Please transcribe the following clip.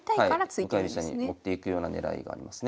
向かい飛車に持っていくような狙いがありますね。